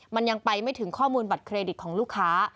มันยังไปไม่ถึงข้อมูลบัตรเครดิตของลูกค้า